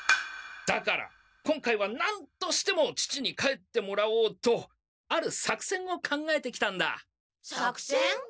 だから今回は何としても父に帰ってもらおうとある作戦を考えてきたんだ。